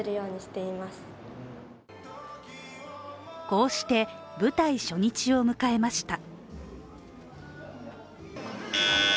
こうして舞台初日を迎えました。